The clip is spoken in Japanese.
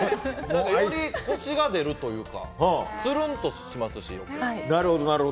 よりコシが出るというかつるんとしますし。